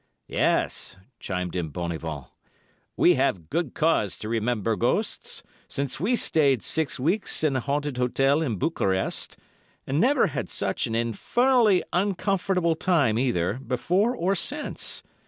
"'Yes,' chimed in Bonivon, 'we have good cause to remember ghosts, since we stayed six weeks in a haunted hotel in Bucharest, and never had such an infernally uncomfortable time either before or since.